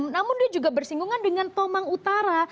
namun dia juga bersinggungan dengan tomang utara